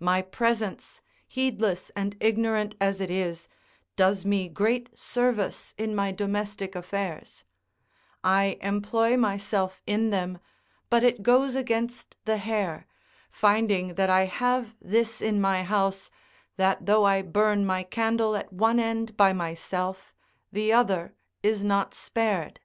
My presence, heedless and ignorant as it is, does me great service in my domestic affairs; I employ myself in them, but it goes against the hair, finding that I have this in my house, that though I burn my candle at one end by myself, the other is not spared.